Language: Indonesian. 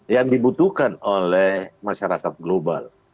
yang dibutuhkan oleh masyarakat global